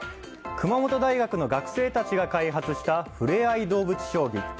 熊本大学の学生たちが開発したふれあいどうぶつしょうぎ。